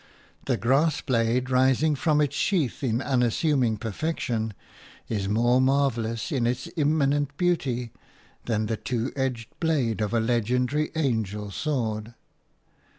The grass blade rising from its sheath in unassuming perfection is more marvellous in its immanent beauty than the two edged blade of a legendary angel sword.